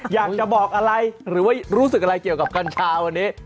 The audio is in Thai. อยากจะบอกอะไรหรือว่ารู้สึกอะไรเกี่ยวกับกัญชาวันนี้